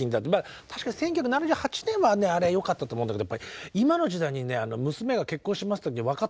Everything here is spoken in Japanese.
確かに１９７８年はあれはよかったと思うんだけど今の時代に娘が結婚しますって分かった娘はくれてやる。